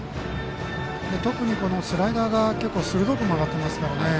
特にスライダーが結構鋭く曲がってますからね。